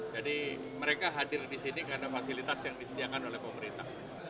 jadi mereka hadir di sini karena fasilitas yang disediakan oleh pemerintah